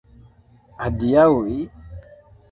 Adiaŭi?